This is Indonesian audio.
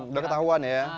udah ketahuan ya